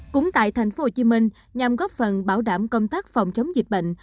cũng tại thành phố hồ chí minh nhằm góp phần bảo đảm công tác phòng chống dịch bệnh